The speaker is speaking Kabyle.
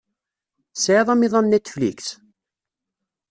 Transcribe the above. Tesɛiḍ amiḍan Netflix?